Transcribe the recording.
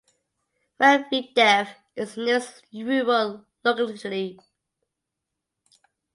Medvedev is the nearest rural locality.